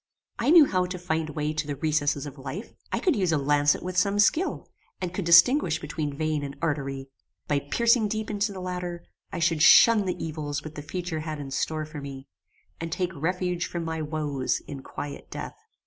I knew how to find way to the recesses of life. I could use a lancet with some skill, and could distinguish between vein and artery. By piercing deep into the latter, I should shun the evils which the future had in store for me, and take refuge from my woes in quiet death.